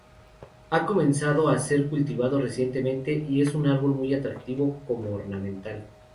Ha comenzado a ser cultivado recientemente y es un árbol muy atractivo como ornamental.